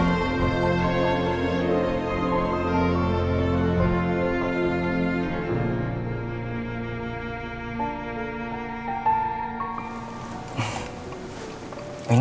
amanya roh banget